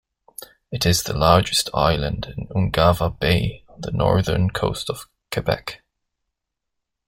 It is the largest island in Ungava Bay on the northern coast of Quebec.